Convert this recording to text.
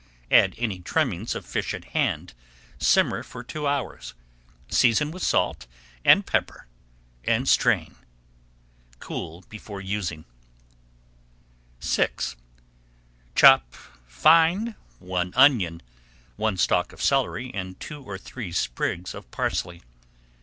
Add any trimmings of fish at hand, simmer for two hours, season with salt and pepper, and strain. Cool before using. VI Chop fine one onion, one stalk of celery, and two or three sprigs of parsley.